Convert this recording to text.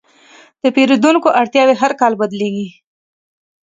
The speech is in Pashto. د پیرودونکو اړتیاوې هر کال بدلېږي.